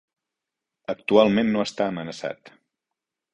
Actualment no està amenaçat.